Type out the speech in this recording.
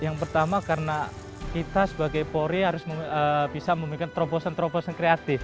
yang pertama karena kita sebagai polri harus bisa memberikan terobosan terobosan kreatif